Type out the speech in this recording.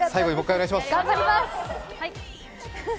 お願いします。